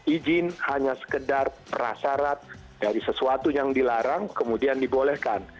izin hanya sekedar prasarat dari sesuatu yang dilarang kemudian dibolehkan